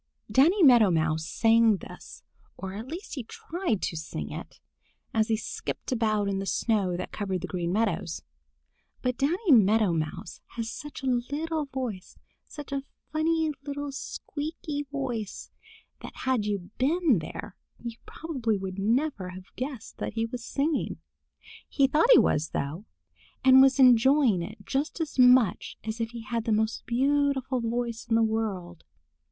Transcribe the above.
DANNY MEADOW MOUSE sang this, or at least he tried to sing it, as he skipped about on the snow that covered the Green Meadows. But Danny Meadow Mouse has such a little voice, such a funny little squeaky voice, that had you been there you probably would never have guessed that he was singing. He thought he was, though, and was enjoying it just as much as if he had the most beautiful voice in the world.